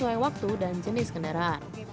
sesuai waktu dan jenis kendaraan